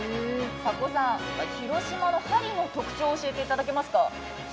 迫さん、広島の針の特徴を教えていただけますか。